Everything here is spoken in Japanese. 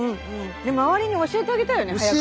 周りに教えてあげたいよね早くね。